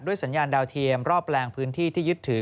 สัญญาณดาวเทียมรอบแปลงพื้นที่ที่ยึดถือ